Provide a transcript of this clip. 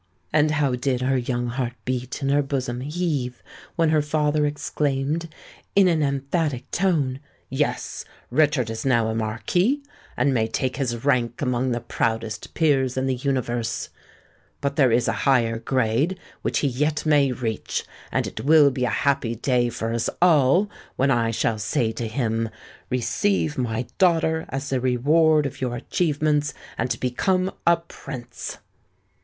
And how did her young heart beat and her bosom heave, when her father exclaimed, in an emphatic tone, "Yes—Richard is now a Marquis, and may take his rank amongst the proudest peers in the universe;—but there is a higher grade which he yet may reach—and it will be a happy day for us all when I shall say to him, '_Receive my daughter as the reward of your achievements, and become a Prince!